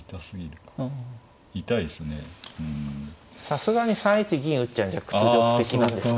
さすがに３一銀打っちゃうんじゃ屈辱的なんですか。